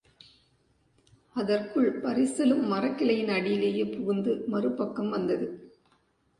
அதற்குள் பரிசலும் மரக்கிளையின் அடியிலே புகுந்து மறுபக்கம் வந்தது.